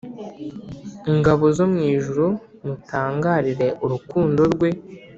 Ngabo zo mu ijuru mutangarire urukundo rwe